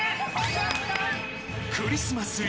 ［クリスマスイブ。